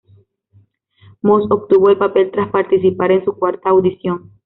Moss obtuvo el papel tras participar en su cuarta audición.